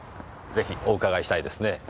ぜひお伺いしたいですね。